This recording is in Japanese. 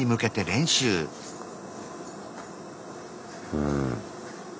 うん。